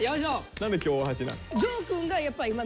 何で今日大橋なの？